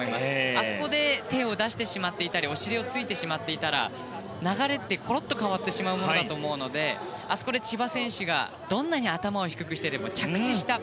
あそこで手を出してしまったりお尻をついてしまっていたら流れって、ころって変わってしまうものだと思うのであそこで千葉選手がどんなに頭を低くしてでも着地した。